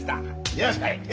よし来い。